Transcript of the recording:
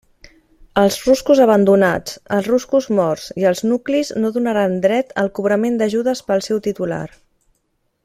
Els ruscos abandonats, els ruscos morts i els nuclis no donaran dret al cobrament d'ajudes pel seu titular.